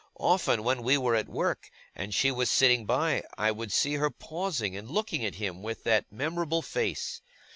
Often, when we were at work, and she was sitting by, I would see her pausing and looking at him with that memorable face.